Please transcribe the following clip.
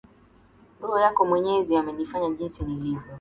Roho wako mwenyezi amenifanya jinsi nilivyo.